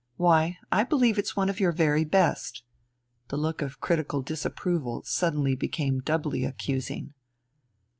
Why, I believe it's one of your very best." The look of critical disapproval suddenly became doubly accusing.